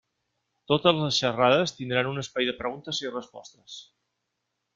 Totes les xerrades tindran un espai de preguntes i respostes.